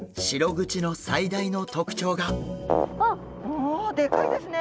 おでかいですね。